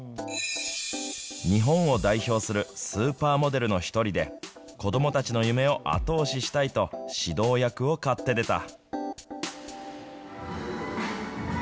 日本を代表するスーパーモデルの１人で、子どもたちの夢を後押ししたいと、指導役を買って出た。